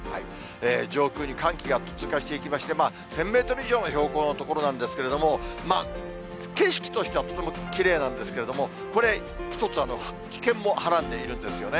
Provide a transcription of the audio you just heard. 上空に寒気が通過していきまして、１０００メートル以上の標高の所なんですけれども、景色としてはとてもきれいなんですけれども、これ、１つ、危険もはらんでいるんですよね。